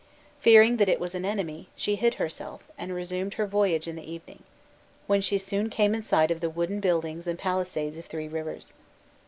Fearing that it was an enemy, she hid herself, and resumed her voyage in the evening, when she soon came in sight of the wooden buildings and palisades of Three Rivers.